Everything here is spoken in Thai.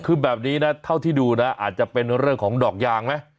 คือแบบนี้นะเท่าที่ดูนะอาจจะเป็นเรื่องของดอกยางไหม